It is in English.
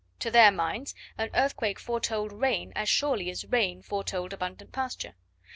To their minds an earthquake foretold rain as surely as rain foretold abundant pasture.